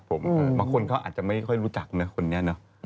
ครับผมบางคนเขาอาจจะไม่ค่อยรู้จักเนี่ยคนนี้เนอะ